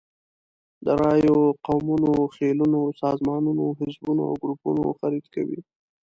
د رایو، قومونو، خېلونو، سازمانونو، حزبونو او ګروپونو خرید کوي.